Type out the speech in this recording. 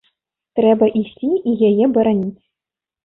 Трэба ісці і яе бараніць.